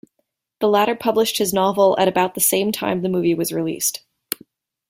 The latter published his novel at about the same time the movie was released.